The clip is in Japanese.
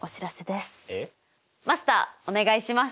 マスターお願いします！